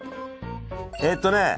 えっとね